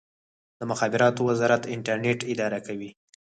د مخابراتو وزارت انټرنیټ اداره کوي